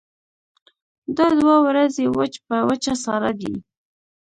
دا دوه ورځې وچ په وچه ساړه دي.